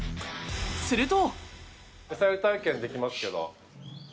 すると。